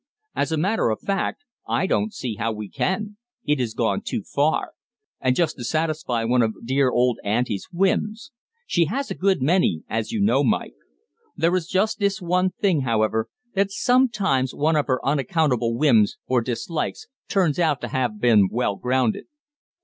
As a matter of fact, I don't see how we can it has gone too far and just to satisfy one of dear old Auntie's whims! She has a good many, as you know, Mike. There is just this one thing, however, that sometimes one of her unaccountable whims or dislikes turns out to have been well grounded."